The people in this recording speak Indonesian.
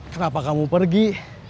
kenapa kamu pergi